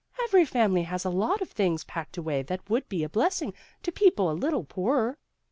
" Every family has a lot of things packed away that would be a blessing to people a little poorer."